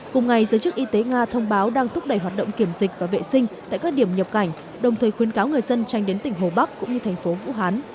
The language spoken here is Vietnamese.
cùng ngày giới chức y tế nga thông báo đang thúc đẩy hoạt động kiểm dịch và vệ sinh tại các điểm nhập cảnh đồng thời khuyến cáo người dân tranh đến tỉnh hồ bắc cũng như thành phố vũ hán